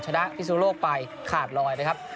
ชนะพิศนุโลกไปขาดลอยนะครับ